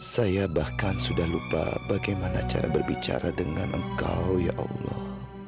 saya bahkan sudah lupa bagaimana cara berbicara dengan engkau ya allah